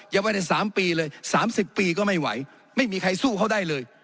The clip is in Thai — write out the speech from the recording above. อย่าไว้ในสามปีเลยสามสิบปีก็ไม่ไหวไม่มีใครสู้เขาได้เลย